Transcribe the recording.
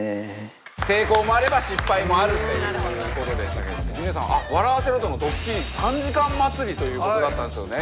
成功もあれば失敗もあるっていうことでしたけどもジュニアさん「笑アセろ」とのドッキリ３時間祭りということだったんですよね